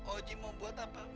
oji mau buat apa